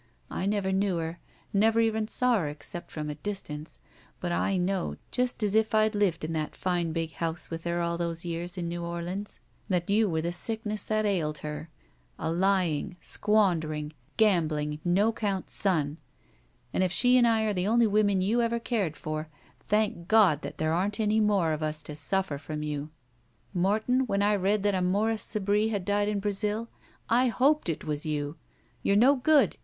I never knew her, never even saw her except from a distance, but I know, just as well as if I'd lived in that fine big house with her all those years in New Orleans, that you were the sickness that ailed her — a lying, squandering, gambling, no 'count son! If she and I are the only women you ever cared for, thank God that there aren't any more of us to suflFer from you. Morton, when I read that a Morris Sebree had died in Brazil, I hoped it was you! You're no good!